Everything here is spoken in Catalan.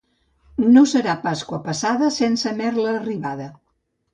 No serà Pasqua passada sense merla arribada.